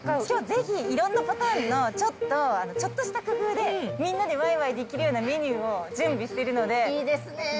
きょうぜひ、いろんなパターンのちょっとした工夫で、みんなでわいわいできるようなメニューを準備しているいいですね。